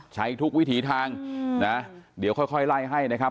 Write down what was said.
ใช้ทุกวิถีทางนะเดี๋ยวค่อยไล่ให้นะครับ